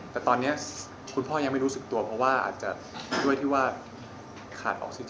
ก็ต้องรอคุณพ่อฟื้นตัวครับแล้วก็มาดูกันว่าจะทำยังไงต่อ